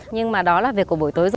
nhưng mà đó là việc của buổi tối rồi